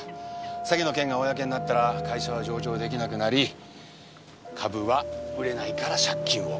詐欺の件が公になったら会社は上場出来なくなり株は売れないから借金を返せない。